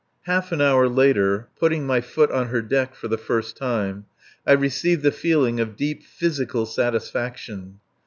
... Half an hour later, putting my foot on her deck for the first time, I received the feeling of deep physical satisfaction.